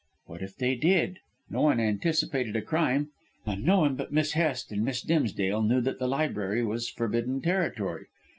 "What if they did? No one anticipated a crime, and no one but Miss Hest and Miss Dimsdale knew that the library was forbidden territory.